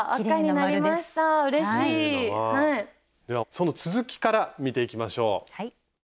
その続きから見ていきましょう。